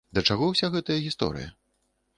Да чаго ўся гэтая гісторыя?